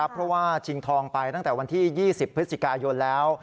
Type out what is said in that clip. เพราะว่าชิงทองไปตั้งแต่วันที่๒๐พฤศจิกายนแล้ว